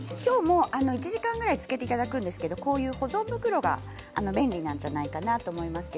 １時間ぐらいつけていただくんですが保存袋が便利じゃないかと思います。